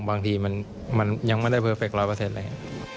บางทีมันยังไม่ได้เพอร์เฟค๑๐๐เลย